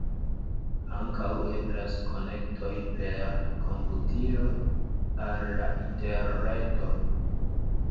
Ankaŭ eblas konektoj per komputilo al la interreto.